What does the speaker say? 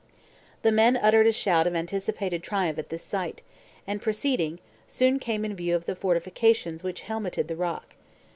The men uttered a shout of anticipated triumph at this sight; and proceeding, soon came in view of the fortifications which helmeted the rock.